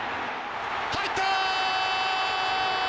入った！